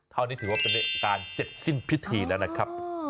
เท่านี้ถือว่าเป็นการเสร็จสิ้นพิธีแล้วนะครับ